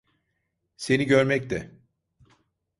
Seni görmek de.